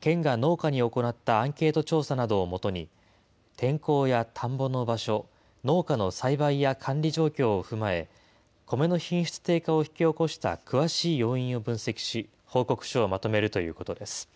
県が農家に行ったアンケート調査などをもとに、天候や田んぼの場所、農家の栽培や管理状況を踏まえ、コメの品質低下を引き起こした詳しい要因を分析し、報告書をまとめるということです。